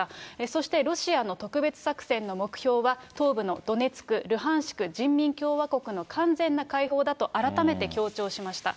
そしてロシアの特別作戦の目標は、東部のドネツク、ルハンシク人民共和国の完全な解放だと改めて強調しました。